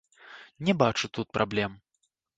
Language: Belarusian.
Не бачу тут праблем.